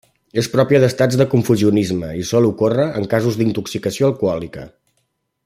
És pròpia d'estats de confusionisme i sol ocórrer en casos d'intoxicació alcohòlica.